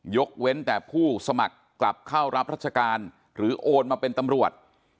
เว้นแต่ผู้สมัครกลับเข้ารับราชการหรือโอนมาเป็นตำรวจ